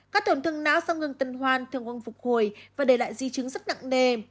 các tổn thương não sau ngừng tần hoa thường quân phục hồi và đề lại di chứng rất nặng nề